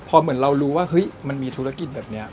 พอเหมือนเรารู้ว่าเฮ้ยมันมีธุรกิจแบบนี้